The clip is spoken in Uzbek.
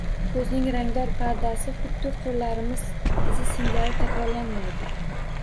Ko`zning rangdor pardasi xuddi qo`llarimiz izi singari takrorlanmaydi